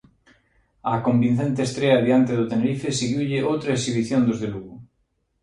Á convincente estrea diante do Tenerife seguiulle outra exhibición dos de Lugo.